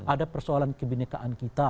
ada persoalan kebenekaan kita